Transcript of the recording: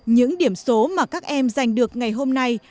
những điểm số mà các em giành được ngày hôm nay